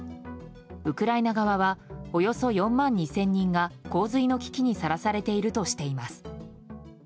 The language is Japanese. ウクライナ側はおよそ４万２０００人が洪水の危機にさらされているとしています。